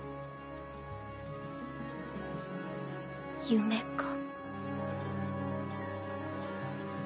夢か。